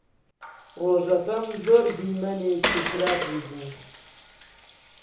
ژوورەکەم زۆر دیمەنێکی خراپی بوو.